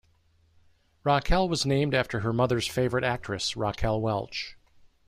Raquel was named after her mother's favorite actress, Raquel Welch.